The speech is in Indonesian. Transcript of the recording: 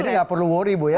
jadi nggak perlu worry bu ya